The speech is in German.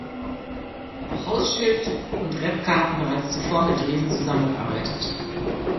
Auch Hauschild und Repka hatten bereits zuvor mit Dresen zusammengearbeitet.